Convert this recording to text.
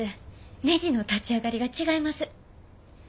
ねじの立ち上がりが違います。